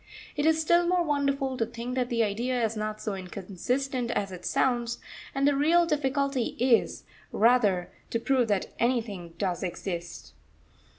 It is still more wonderful to think that the idea is not so inconsistent as it sounds, and the real difficulty is, rather, to prove that anything does exist.